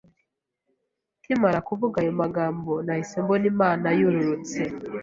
Nkimara kuvuga ayo magambo nahise mbona Imana yururutse